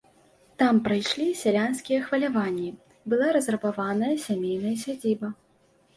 Там прайшлі сялянскія хваляванні, была разрабаваная сямейная сядзіба.